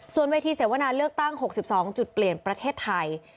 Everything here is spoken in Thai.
ส่วนเวทีเสวนาเลือกตั้ง๖๒จุดเปลี่ยนประเทศไทย